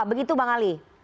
begitu bang ali